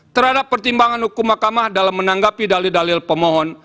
terhadap pertimbangan hukum mahkamah dalam menanggapi dalil dalil pemohon